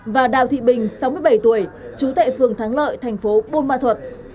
và đào thị bình sáu mươi bảy tuổi trú tại phường thắng lợi tp bôn ma thuật